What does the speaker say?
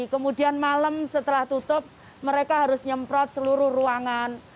kemudian malam setelah tutup mereka harus nyemprot seluruh ruangan